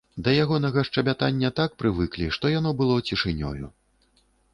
Да ягонага шчабятання так прывыклі, што яно было цішынёю.